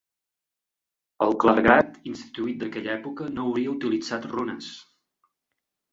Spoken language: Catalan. El clergat instruït d'aquella època no hauria utilitzat runes.